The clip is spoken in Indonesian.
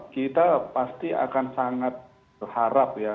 kita pasti akan sangat berharap ya